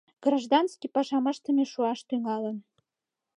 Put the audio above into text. Гражданский пашам ыштыме шуаш тӱҥалын.